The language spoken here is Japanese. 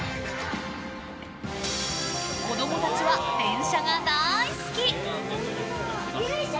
子供たちは電車が大好き。